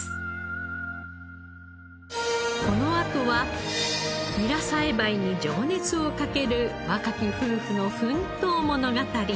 このあとはニラ栽培に情熱をかける若き夫婦の奮闘物語。